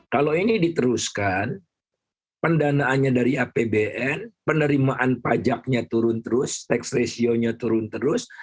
kalau ini diteruskan pendanaannya dari apbn penerimaan pajaknya turun terus tax ratio nya turun terus